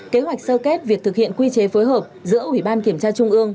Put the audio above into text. kế hoạch sơ kết việc thực hiện quy chế phối hợp giữa ủy ban kiểm tra trung ương